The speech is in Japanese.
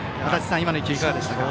今の１球はいかがでしたか？